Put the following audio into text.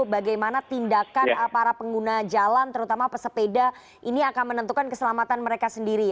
bagaimana tindakan para pengguna jalan terutama pesepeda ini akan menentukan keselamatan mereka sendiri